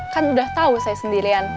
kan udah tahu saya sendirian